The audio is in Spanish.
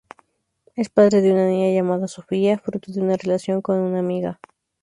Es padre de una niña llamada Sofia, fruto de una relación con una amiga.